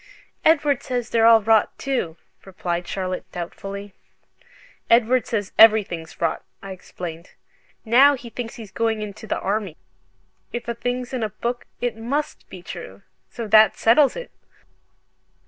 "Edward says they're all rot, too," replied Charlotte, doubtfully. "Edward says everything's rot," I explained, "now he thinks he's going into the Army. If a thing's in a book it MUST be true, so that settles it!"